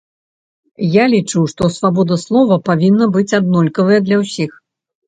Я лічу, што свабода слова павінна быць аднолькавая для ўсіх.